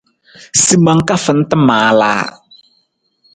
Simang ka fanta maalaa.